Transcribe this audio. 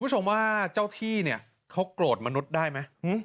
มุฉวงว่าเจ้าที่เขากดมนุษย์ได้ไหม